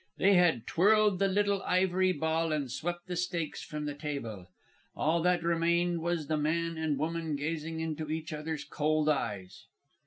They had twirled the little ivory ball and swept the stakes from the table. All that remained was the man and woman gazing into each other's cold eyes.